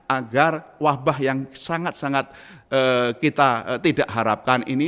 agar wabah yang sangat sangat kita tidak harapkan ini